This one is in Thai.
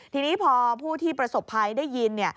ทีนี้พอผู้ที่ประสบภัยได้ยิน